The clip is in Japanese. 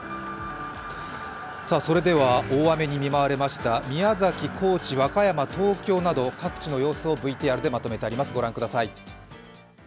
それでは大雨に見舞われました宮崎、高知、和歌山、東京など各地の様子をＶＴＲでまとめてあります、御覧ください。